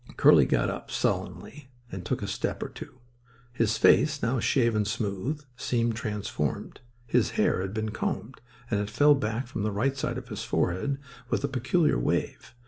Curly got up sullenly and took a step or two. His face, now shaven smooth, seemed transformed. His hair had been combed, and it fell back from the right side of his forehead with a peculiar wave.